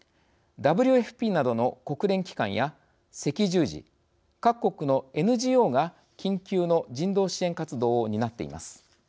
ＷＦＰなどの国連機関や、赤十字各国のＮＧＯが、緊急の人道支援活動を担っています。